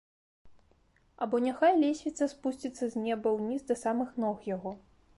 Або няхай лесвіца спусціцца з неба ўніз да самых ног яго.